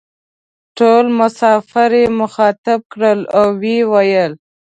ټول مسافر یې مخاطب کړل او وې ویل: